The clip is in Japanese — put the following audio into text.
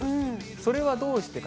それはどうしてか。